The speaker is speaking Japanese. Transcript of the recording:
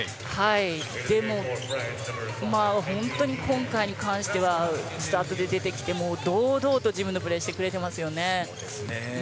でも、本当に今回に関してはスタートで出てきても堂々と自分のプレーをしてくれてますね。